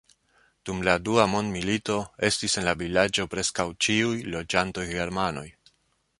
Dum la dua mondmilito estis en la vilaĝo preskaŭ ĉiuj loĝantoj germanoj.